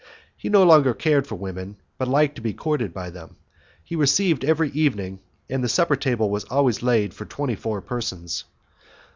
He no longer cared for women, but liked to be courted by them. He received every evening, and the supper table was always laid for twenty four persons.